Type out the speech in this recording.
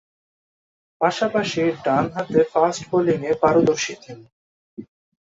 পাশাপাশি ডানহাতে ফাস্ট বোলিংয়ে পারদর্শী তিনি।